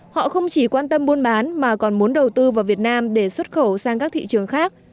họ không chỉ quan tâm buôn bán mà còn muốn đầu tư vào việt nam để xuất khẩu sang các thị trường khác